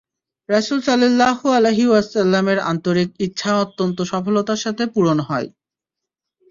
রাসূল সাল্লাল্লাহু আলাইহি ওয়াসাল্লাম-এর আন্তরিক ইচ্ছা অত্যন্ত সফলতার সাথে পূরণ হয়।